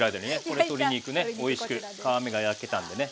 これ鶏肉ねおいしく皮目が焼けたんでね。